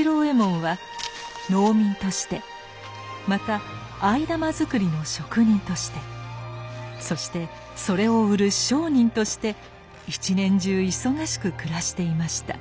右衛門は農民としてまた藍玉作りの職人としてそしてそれを売る商人として一年中忙しく暮らしていました。